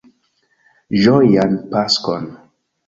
Ĝojan Paskon!